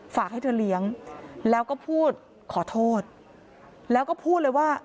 ฝากให้เธอเลี้ยงแล้วก็พูดขอโทษแล้วก็พูดเลยว่า